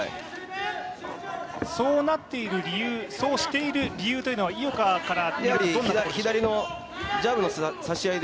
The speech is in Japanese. そうなっている理由、そうしている理由というのは井岡から見るとどうでしょう？